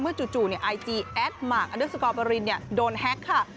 เมื่อจู่เนี่ยไอจีแอดมาร์คอันเดอร์สกอร์ประรินเนี่ยโดนแฮ็กซ์ค่ะ